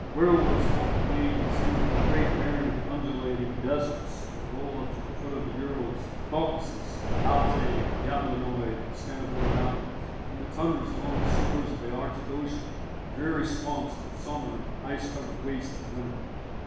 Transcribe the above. Werwolves haunt the plains, too the great barren, undulating deserts that roll up to the foot of the Urals, Caucasus, Altai, Yablonoi, and Stanovoi Mountains and the Tundras along the shores of the Arctic Ocean dreary swamps in summer and ice covered wastes in winter.